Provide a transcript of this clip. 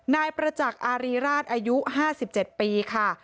นายประจักษ์อารีราชอายุ๕๗ปีค่ะ